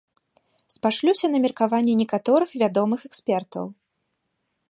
Спашлюся на меркаванне некаторых вядомых экспертаў.